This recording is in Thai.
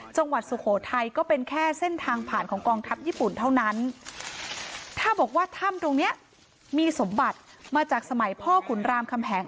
สุโขทัยก็เป็นแค่เส้นทางผ่านของกองทัพญี่ปุ่นเท่านั้นถ้าบอกว่าถ้ำตรงเนี้ยมีสมบัติมาจากสมัยพ่อขุนรามคำแหง